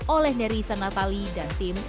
oleh nerisan natali dan tim